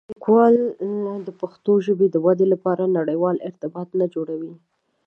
لیکوالان د پښتو ژبې د ودې لپاره نړيوال ارتباطات نه جوړوي.